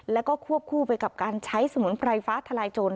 แล้วก็ควบคู่ไปกับการใช้สมุนไพรฟ้าทลายโจร